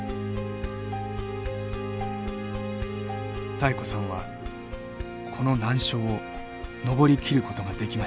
妙子さんはこの難所を登り切ることができました。